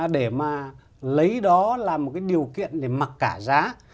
để mà lấy đó là một cái điều kiện để mặc cả giá